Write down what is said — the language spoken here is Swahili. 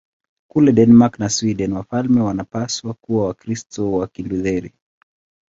Kule Denmark na Sweden wafalme wanapaswa kuwa Wakristo wa Kilutheri.